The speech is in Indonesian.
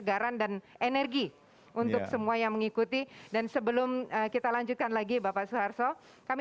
jangan lupa untuk berikan duit kepada tuhan